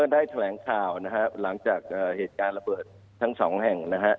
ได้แถลงข่าวหลังจากเหตุการณ์ละเบิดทั้งสองแห่ง